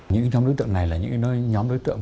những nhóm đối tượng này là những nơi nhóm đối tượng